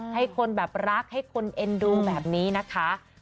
ให้คนแบบรักให้คนเอ็นดูแบบนี้นะคะ